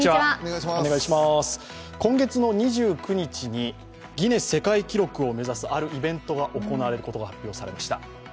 今月の２９日にギネス世界記録を目指すあるイベントが行われることが発表されました。